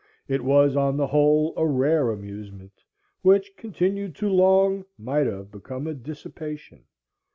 It was on the whole a rare amusement, which, continued too long, might have become a dissipation.